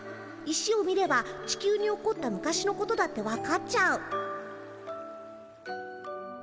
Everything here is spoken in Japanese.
石を見れば地球に起こった昔のことだってわかっちゃう。